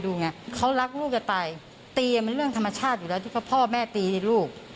จนเกินเหตุหรือว่าอะไรอย่างเงี้ย